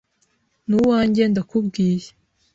ni uwanjye ndakubwiye